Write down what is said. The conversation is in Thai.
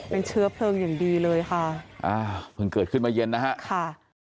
เป็นเชื้อเพลิงอย่างดีเลยค่ะอ่าเพิ่งเกิดขึ้นมาเย็นนะฮะค่ะ